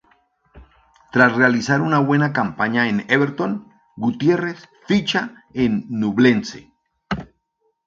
Tras realizar una buena campaña en Everton, Gutierrez ficha en Ñublense.